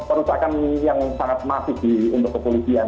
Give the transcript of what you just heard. perusahaan yang sangat masif di umur kepolisian